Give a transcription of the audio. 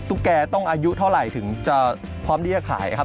แกต้องอายุเท่าไหร่ถึงจะพร้อมที่จะขายครับ